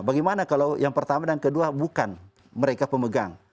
bagaimana kalau yang pertama dan kedua bukan mereka pemegang